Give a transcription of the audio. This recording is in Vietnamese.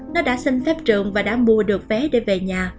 nó đã xin phép trường và đã mua được vé để về nhà